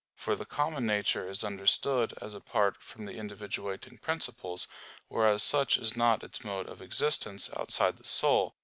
For the common nature is understood as apart from the individuating principles; whereas such is not its mode of existence outside the soul.